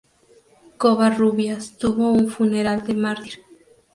Covarrubias tuvo un funeral de mártir.